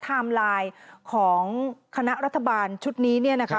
ถ้าไม่ใช่ไตรมไลน์ของคณะรัฐบาลชุดนี้